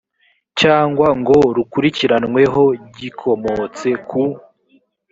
cyangwa ngo rukurikiranweho gikomotse ku